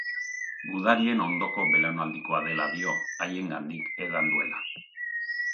Gudarien ondoko belaunaldikoa dela dio, haiengandik edan duela.